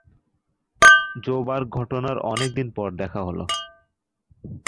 Joburg ঘটনার অনেকদিন পর দেখা হলো।